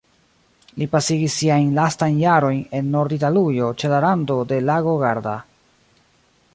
Li pasigis siajn lastajn jarojn en Nord-Italujo ĉe la rando de lago Garda.